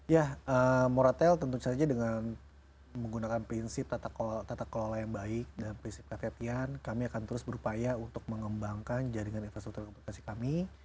ya moratel tentu saja dengan menggunakan prinsip tata kelola yang baik dan prinsip kekepian kami akan terus berupaya untuk mengembangkan jaringan infrastruktur komunikasi kami